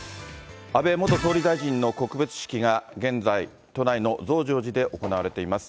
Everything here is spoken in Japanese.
安倍元総理大臣の告別式が現在、都内の増上寺で行われています。